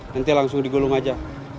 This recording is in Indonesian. nanti langsung digulung aja